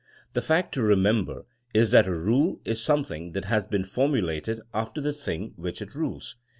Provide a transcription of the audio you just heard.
The fact to remember is that a rule is some thing that has been formulated after the thing which it rules.